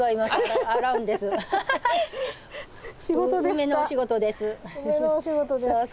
梅のお仕事ですか。